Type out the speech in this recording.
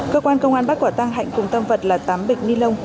cơ quan công an bắt quả tăng hạnh cùng tâm vật là tám bịch ni lông